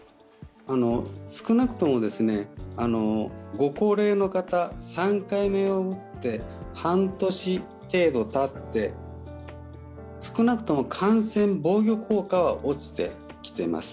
少なくとも、御高齢の方３回目を打って半年程度たって、少なくとも感染防御効果は落ちてきています。